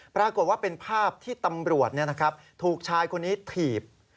ปรากฏว่าเป็นภาพที่ตำรวจถูกชายคนนี้ถีบ